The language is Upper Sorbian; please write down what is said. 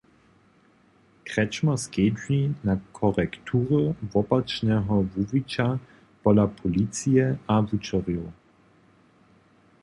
Kretschmer skedźbni na korektury wopačneho wuwića pola policije a wučerjow.